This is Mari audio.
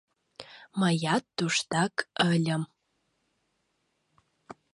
Мыят туштак ыльым.